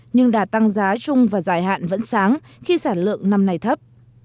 nhưng đà tăng giá trung và dài hạn vẫn sáng khi sản lượng năm nay thấp